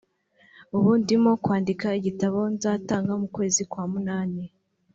ubu ndimo kwandika igitabo nzatanga mu kwezi kwa munani”